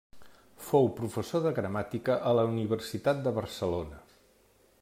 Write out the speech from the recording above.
Fou professor de gramàtica a la Universitat de Barcelona.